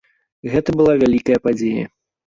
Гэта была вялікая падзея.